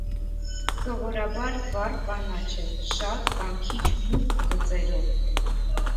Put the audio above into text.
Սովորաբար վառ կանաչ է, շատ կամ քիչ մուգ բծերով։